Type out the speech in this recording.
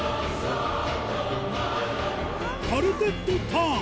カルテットターン